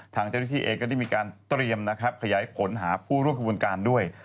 ทางเจริฐีเองก็ได้มีการเตรียมขยายผลหาผู้ร่วมควรบนการด้วย